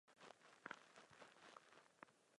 Kaple byla vybudována v novorománském stylu.